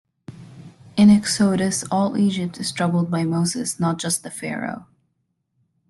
In Exodus all Egypt is troubled by Moses, not just the Pharaoh.